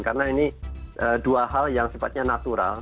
karena ini dua hal yang sempatnya natural